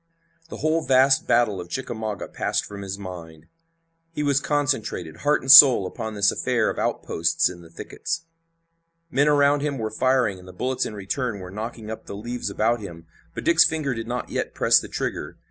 The whole vast battle of Chickamauga passed from his mind. He was concentrated, heart and soul, upon this affair of outposts in the thickets. Men around him were firing, and the bullets in return were knocking up the leaves about him, but Dick's finger did not yet press the trigger.